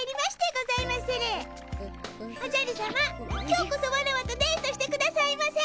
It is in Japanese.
今日こそワラワとデートしてくださいませ。